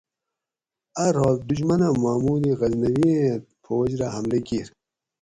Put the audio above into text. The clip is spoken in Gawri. اَ رات دُشمنہ محمود غزنوی ایں فوج رہ حملہ کیِر